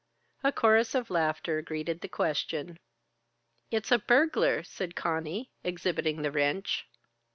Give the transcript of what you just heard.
A chorus of laughter greeted the question. "It's a burglar!" said Conny, exhibiting the wrench.